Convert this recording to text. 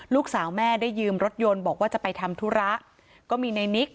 ลูกสาวแม่ได้ยืมรถยนต์บอกว่าจะไปทำธุระก็มีในนิก